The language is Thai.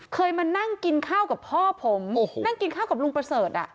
เคยมานั่งกินข้าวกับพ่อผมนั่งกินข้าวกับลุงประเสริฐอ่ะ